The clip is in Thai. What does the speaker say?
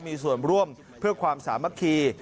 มีส่วนร่วมเพื่อความสามัคคี